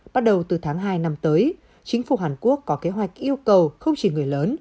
bắt đầu từ tháng hai năm tới chính phủ hàn quốc có kế hoạch yêu cầu không chỉ người lớn